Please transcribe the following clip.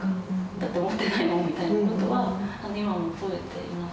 だって思ってないもんみたいなことは今も覚えています。